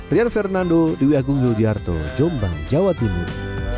rian fernando di wg yogyo ryarto jombang jawa timur